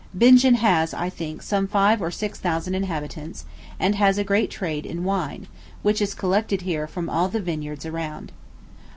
Bingen has, I think, some five or six thousand inhabitants, and has a great trade in wine, which is collected here from all the vineyards around.